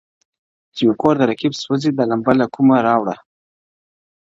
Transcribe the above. چي مي کور د رقیب سوځي دا لمبه له کومه راوړو،